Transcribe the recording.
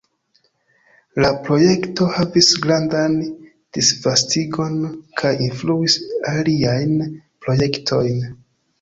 La projekto havis grandan disvastigon kaj influis aliajn projektojn.